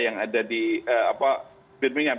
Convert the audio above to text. yang ada di birmingham